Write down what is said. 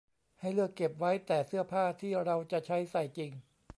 ให้เลือกเก็บไว้แต่เสื้อผ้าที่เราจะใช้ใส่จริง